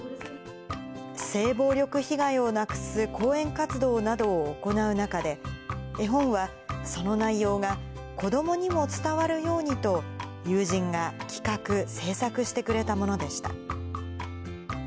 性暴力被害をなくす講演活動などを行う中で、絵本はその内容が子どもにも伝わるようにと、友人が企画・制作してくれたものでした。